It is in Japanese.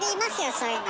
そういうの。